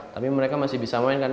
tapi mereka masih bisa main kan